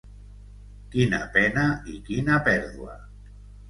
Quina pena, i quina pèrdua!